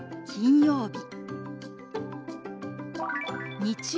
金曜日。